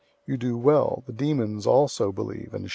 You do well. The demons also believe, and shudder.